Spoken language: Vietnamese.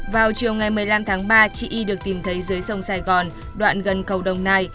vào chiều ngày một mươi năm tháng ba chị y được tìm thấy dưới sông sài gòn đoạn gần cầu đồng nai